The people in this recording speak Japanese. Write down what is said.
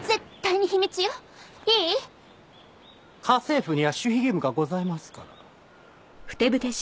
家政婦には守秘義務がございますから。